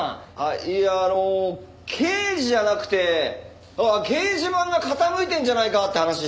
いやあの刑事じゃなくて掲示板が傾いてるんじゃないかって話してて。